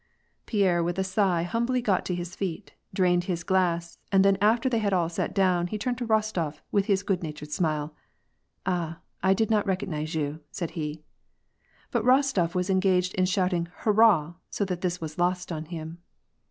" Pierre with a sigh humbly got to his feet, drained his glass, and then after they had all sat down, he turned to Bostof with his good natured smile :" Ah ! I did not recognize you," said he. But Kostof was engaged in shouting ' hurrah ' so that this was lost on him.